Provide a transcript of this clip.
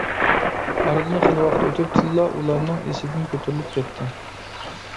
ئارىدىن خېلى ۋاقىت ئۆتۈپ تىللا ئۇلارنىڭ ئېسىدىن كۆتۈرۈلۈپ كەتتى.